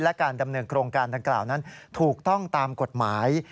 และการดำเนินโครงการดังกล่าวนั้นถูกต้องตามกฎหมาย